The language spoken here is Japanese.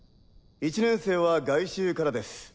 １年生は外周からです。